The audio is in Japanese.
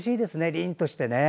凛として。